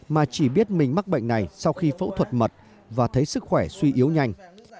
mà chỉ biết mình mắc bệnh này sau khi phẫu thuật mật và thấy sức khỏe suy yếu nhanh